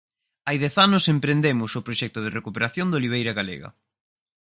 Hai dez anos emprendemos o proxecto de recuperación da oliveira galega.